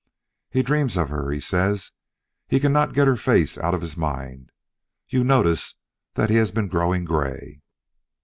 He dreams of her, he says; he cannot get her face out of his mind you notice that he has been growing gray.